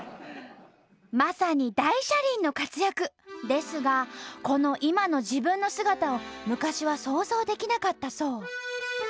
まさに大車輪の活躍！ですがこの今の自分の姿を昔は想像できなかったそう。